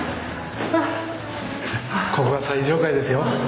ここが最上階ですよ。